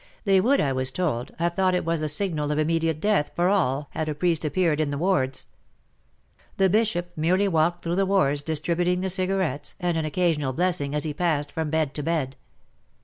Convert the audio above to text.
They would, I was told, have thought it was the signal of immediate death for all, had a priest appeared in the wards The Bishop merely walked through the wards distributing the cigarettes and an occasional blessing, as he passed from bed to bed.